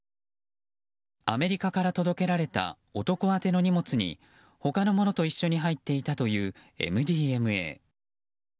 アメリカから届けられた男宛ての荷物に他のものと一緒に入っていたという、ＭＤＭＡ。